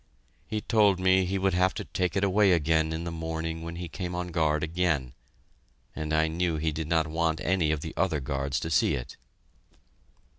He told me he would have to take it away again in the morning when he came on guard again, and I knew he did not want any of the other guards to see it.